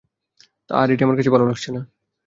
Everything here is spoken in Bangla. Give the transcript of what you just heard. আর এটি আমার কাছে ভালো লাগছেনা।